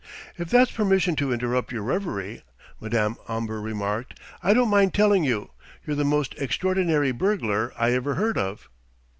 "If that's permission to interrupt your reverie," Madame Omber remarked, "I don't mind telling you, you're the most extraordinary burglar I ever heard of!"